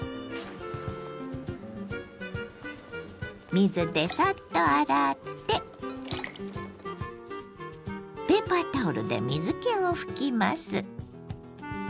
水でサッと洗ってペーパータオルで水けを拭きます。